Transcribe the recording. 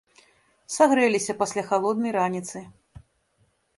Сагрэліся пасля халоднай раніцы.